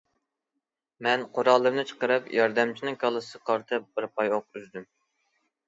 مەن قورالىمنى چىقىرىپ ياردەمچىنىڭ كاللىسىغا قارىتىپ بىر پاي ئوق ئۈزدۈم.